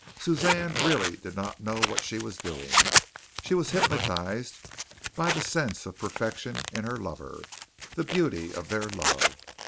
Suzanne really did not know what she was doing. She was hypnotized by the sense of perfection in her lover, the beauty of their love.